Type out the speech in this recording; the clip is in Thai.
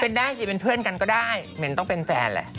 เป็นได้สิเป็นเพื่อนกันก็ได้เหม็นต้องเป็นแฟนแหละ